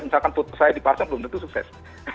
misalkan foto saya di pasar belum tentu sukses